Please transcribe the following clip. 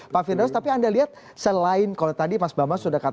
pak firdaus tapi anda lihat selain kalau tadi mas bambang sudah katakan